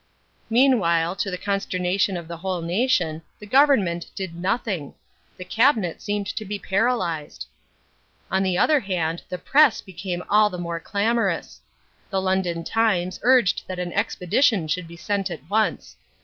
Meanwhile, to the consternation of the whole nation, the Government did nothing. The Cabinet seemed to be paralysed. On the other hand the Press became all the more clamorous. The London Times urged that an expedition should be sent at once.